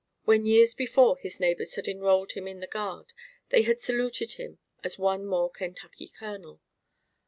When years before his neighbors had enrolled him in the Guard, they had saluted him as one more Kentucky Colonel.